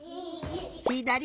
ひだり！